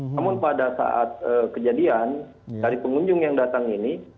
namun pada saat kejadian dari pengunjung yang datang ini